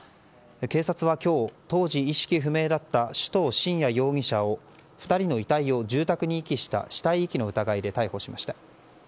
警察は今日当時、意識不明だった首藤伸哉容疑者を２人の遺体を住宅に遺棄した死体遺棄の疑いで逮捕しました。